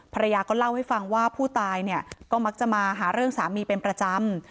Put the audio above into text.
ภรรยาก็เล่าให้ฟังว่าผู้ตายเนี่ยก็มักจะมาหาเรื่องสามีเป็นประจำ